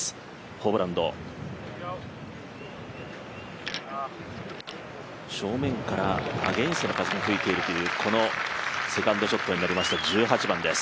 ホブランド、正面からアゲンストの風が吹いているというこのセカンドショットになりました１８番です。